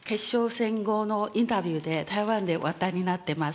戦後のインタビューで、台湾で話題になってます。